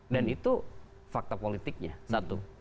dan itu fakta politiknya satu